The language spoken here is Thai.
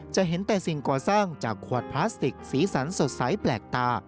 จะเห็นแต่สิ่งก่อสร้างจากขวดพลาสติกสีสันสดใสแปลกตา